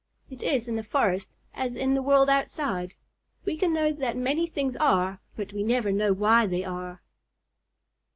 It is in the forest as in the world outside. We can know that many things are, but we never know why they are.